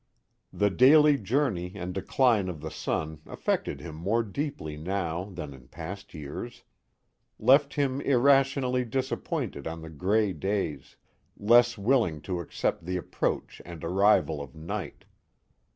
The daily journey and decline of the sun affected him more deeply now than in past years, left him irrationally disappointed on the gray days, less willing to accept the approach and arrival of night.